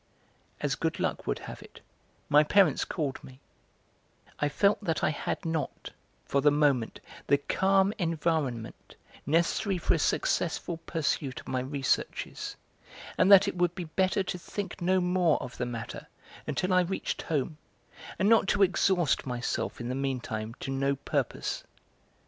As good luck would have it, my parents called me; I felt that I had not, for the moment, the calm environment necessary for a successful pursuit of my researches, and that it would be better to think no more of the matter until I reached home, and not to exhaust myself in the meantime to no purpose.